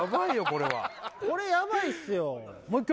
これはこれヤバいっすよ